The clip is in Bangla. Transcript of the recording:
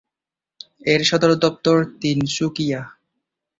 এর সদর দপ্তর তিনসুকিয়া।